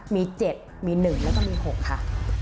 มี๗มี๑แล้วก็มี๖ค่ะ